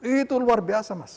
itu luar biasa mas